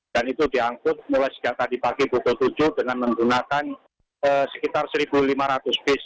dan itu diangkut mulai sejak tadi pagi pukul tujuh dengan menggunakan sekitar satu lima ratus vis